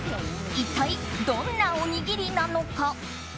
一体どんなおにぎりなのか？